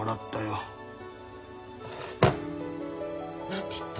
何て言った？